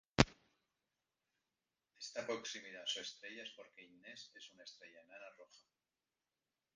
Esta proximidad a su estrella es porque Innes es una estrella enana roja.